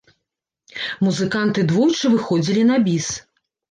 Музыканты двойчы выходзілі на біс.